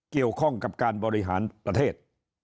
เกี่ยวข้องกับการบริหารประเทศ